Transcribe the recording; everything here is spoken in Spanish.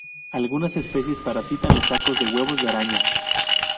Algunas especies parasitan los sacos de huevos de arañas.